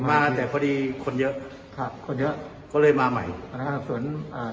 มาแต่พอดีคนเยอะครับคนเยอะก็เลยมาใหม่อ่าส่วนอ่า